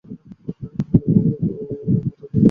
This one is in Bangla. কমলা কহিল, তোর মতো দইয়ের উপর আমার অত লোভ নাই।